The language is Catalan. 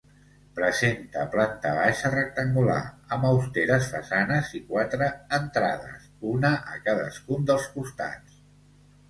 Presenta planta baixa rectangular, amb austeres façanes i quatre entrades, una a cadascun dels costats.